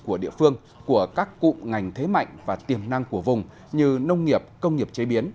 của địa phương của các cụm ngành thế mạnh và tiềm năng của vùng như nông nghiệp công nghiệp chế biến